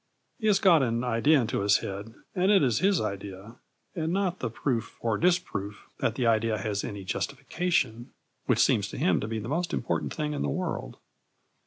He has got an idea into his head, and it is his idea, and not the proof or disproof that the idea has any justification, which seems to him to be the most important thing in the world.